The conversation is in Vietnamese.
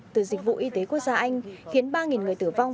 từ dịch vụ y tế quốc gia anh khiến ba người tử vong